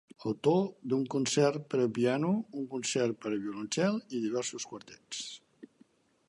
Autor d'un concert per a piano, un concert per a violoncel, i diversos quartets.